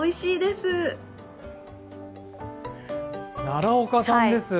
奈良岡さんです。